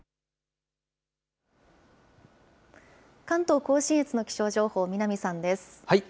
関東甲信越の気象情報、南さんです。